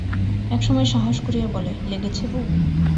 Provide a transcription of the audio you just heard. একসময় সাহস করিয়া বলে, লেগেছে বৌ?